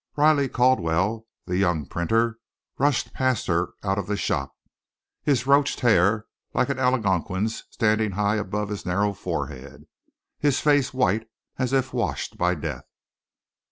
Riley Caldwell, the young printer, rushed past her out of the shop, his roached hair like an Algonquin's standing high above his narrow forehead, his face white as if washed by death.